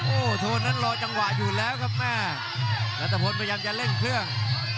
โอ้โหโทนนั้นรอจังหวะอยู่แล้วครับแม่รัฐพลพยายามจะเร่งเครื่อง